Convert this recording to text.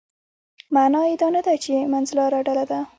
معنا یې دا نه ده چې منځلاره ډله ده.